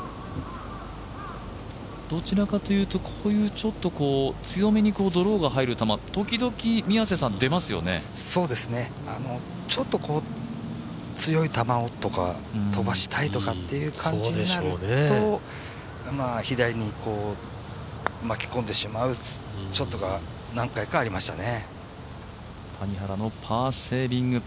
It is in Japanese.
どちらかというと、こういう強めにドローが入る球ちょっと強い球とか飛ばしたいとかいう感じになると左に巻き込んでしまうショットが何回かありましたね。